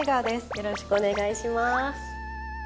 よろしくお願いします。